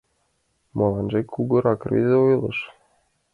Моланже — кугурак рвезе ойлыш.